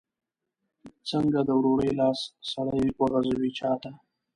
څنګه د ورورۍ لاس سړی وغځوي چاته؟